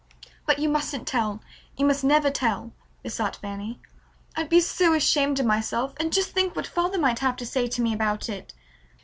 "But you mustn't tell. You must never tell," besought Fanny. "I'd be so ashamed of myself, and just think what father might have to say to me about it!"